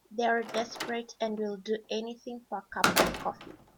They're desperate and will do anything for a cup of coffee.